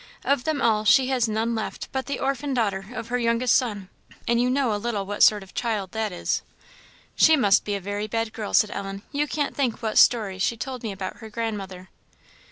Of them all, she has none left but the orphan daughter of her youngest son, and you know a little what sort of a child that is." "She must be a very bad girl," said Ellen; "you can't think what stories she told me about her grandmother."